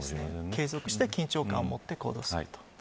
継続して緊張感を持って行動すると。